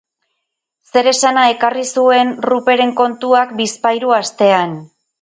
Zer esana ekarri zuen Ruperen kontuak bizpahiru astean.